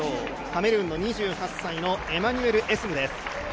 カメルーンの２８歳のエマニュエル・エスムです。